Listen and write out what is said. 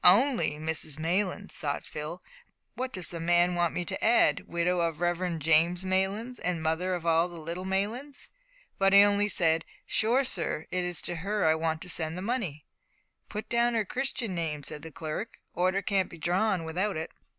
"Only Mrs Maylands!" thought Phil; "does the man want me to add `widow of the Reverend James Maylands, and mother of all the little Maylands?'" but he only said, "Sure, sir, it's to her I want to send the money." "Put down her Christian name;" said the clerk; "order can't be drawn without it."